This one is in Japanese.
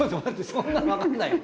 そんなの分かんないよ。